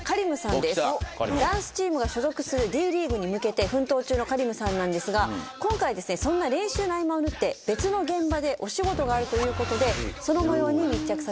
ダンスチームが所属するＤ．ＬＥＡＧＵＥに向けて奮闘中のＫａｒｉｍさんなんですが今回そんな練習の合間を縫って別の現場でお仕事があるということでその模様に密着させてもらいました。